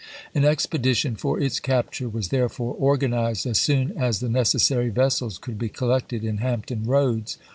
An expedition for its capture was therefore or ganized, as soon as the necessary vessels could be isBL collected in Hampton Roads.